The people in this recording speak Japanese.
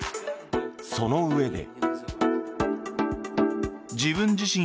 そのうえで。